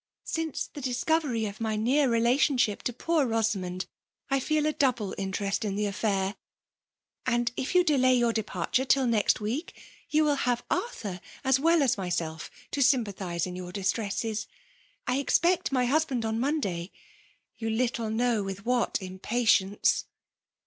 Since the disco very of my near relationship to poor Bosa* mond, I feel a double interest in the affair; and if you delay your departure till next week, you will have Arthur as well as myself to sympathize in your distresses. I expect my husband on Monday ;— you little know with what impatience